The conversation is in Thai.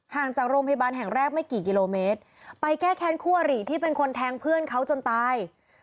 ห่างจากโรงพยาบาลแห่งแรกไม่กี่กิโลเมตรไปแก้แค้นคู่อริที่เป็นคนแทงเพื่อนเขาจนตาย